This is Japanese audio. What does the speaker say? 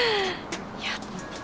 やった！